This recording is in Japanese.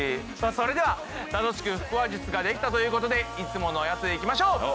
それでは楽しく腹話術ができたということでいつものやついきましょう。